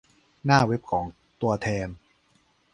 หน้าเว็บของตัวแทน